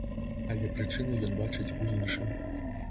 Але прычыну ён бачыць у іншым.